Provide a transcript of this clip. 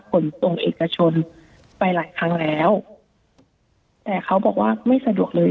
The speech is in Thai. ขนส่งเอกชนไปหลายครั้งแล้วแต่เขาบอกว่าไม่สะดวกเลย